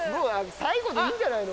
最後でいいんじゃないの？